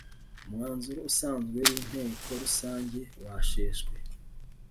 umwanzuro usanzwe w inteko rusange washeshwe